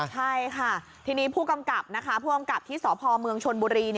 ใช่ค่ะทีนี้ผู้กำกับที่สพเมืองชนบุรี